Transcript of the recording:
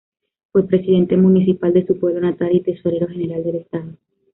Fue presidente municipal de su pueblo natal y tesorero general del Estado.